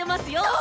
あ！